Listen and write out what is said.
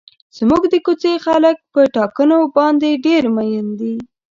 زموږ د کوڅې خلک په ټاکنو باندې ډېر مین دي.